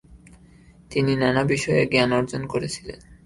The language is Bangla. তিনি নানা বিষয়ে জ্ঞানার্জন করেছিলেন।